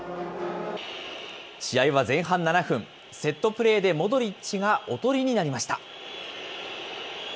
試合は前半７分、セットプレーでモドリッチがおとりになりました。